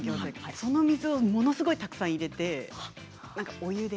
その水をものすごいたくさん入れてお湯で。